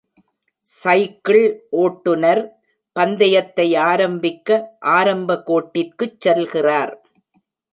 Cycle ஓட்டுநர் பந்தயத்தை ஆரம்பிக்க ஆரம்ப கோட்டிற்குச் செல்கிறார்.